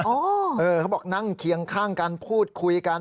เขาบอกนั่งเคียงข้างกันพูดคุยกัน